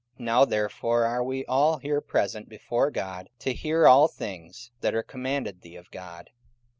Now therefore are we all here present before God, to hear all things that are commanded thee of God.